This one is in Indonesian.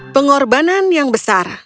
pengorbanan yang besar